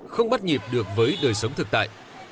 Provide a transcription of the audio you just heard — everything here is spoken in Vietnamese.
không bắt nhịp được với đời sống thực tại